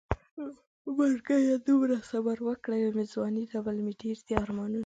مرګيه دومره صبر وکړه يو مې ځواني ده بل مې ډېر دي ارمانونه